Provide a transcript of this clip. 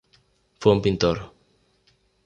Fue un pintor.